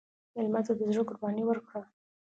مېلمه ته د زړه قرباني ورکړه.